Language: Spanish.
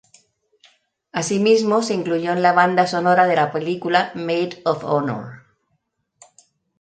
Asimismo, se incluyó en la banda sonora de la película Made of Honor.